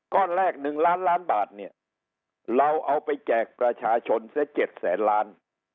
ก้อนแรก๑ล้านล้านบาทเนี่ยเราเอาไปแจกประชาชนเสีย๗แสนล้าน